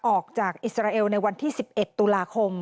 ออกจากอิสราเอลในวันที่๑๑ตุลาคม